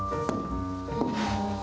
うん。